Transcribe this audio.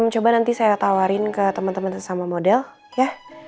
coba nanti saya tawarin ke teman teman sesama model ya